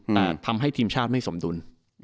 แต่ทำให้ทีมชาติไม่สมดุล